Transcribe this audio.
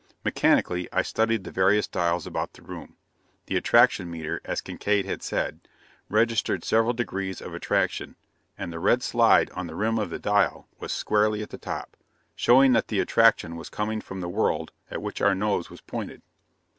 Mechanically, I studied the various dials about the room. The attraction meter, as Kincaide had said, registered several degrees of attraction, and the red slide on the rim of the dial was squarely at the top, showing that the attraction was coming from the world at which our nose was pointed.